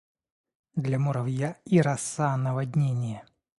Для муравья и роса - наводнение.